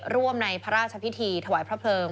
ร่วมในพระราชพิธีถวายพระเพลิง